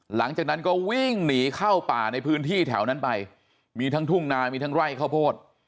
หลังจากนั้นก็วิ่งหนีเข้าป่าในพื้นที่แถวนั้นไปมีทั้งทุ่งนามีทั้งไร่ข้าวโพด